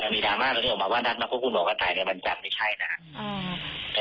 มีดราม่าเราได้ออกมาว่านัดมาพบคุณหมอก็ตายในบรรจันก็ไม่ใช่